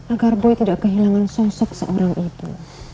agar bui tidak kehilangan sosok seorang ibu